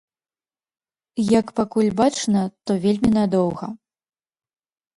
Як пакуль бачна, то вельмі надоўга.